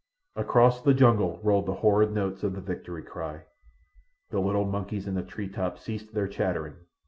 Across the jungle rolled the horrid notes of the victory cry. The little monkeys in the tree tops ceased their chattering.